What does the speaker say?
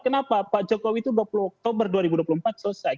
kenapa pak jokowi itu dua puluh oktober dua ribu dua puluh empat selesai